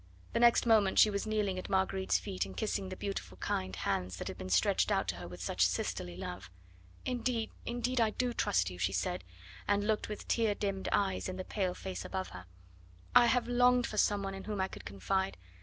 The next moment she was kneeling at Marguerite's feet, and kissing the beautiful kind hands that had been stretched out to her with such sisterly love. "Indeed, indeed, I do trust you," she said, and looked with tear dimmed eyes in the pale face above her. "I have longed for some one in whom I could confide.